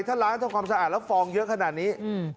ถ้าล้างทำความสะอาดแล้วฟองเยอะขนาดนี้